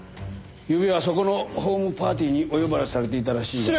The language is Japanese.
ゆうべはそこのホームパーティーにお呼ばれされていたらしいが。